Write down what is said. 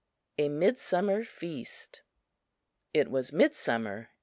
A Midsummer Feast IT was midsummer.